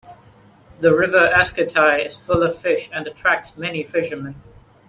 The river Escotais is full of fish and attracts many fishermen.